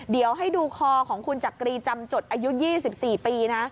เดี๋ยวให้ดูคอของคุณจักรีจำจดอายุ๒๔ปีนะ